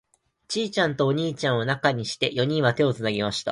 ちいちゃんとお兄ちゃんを中にして、四人は手をつなぎました。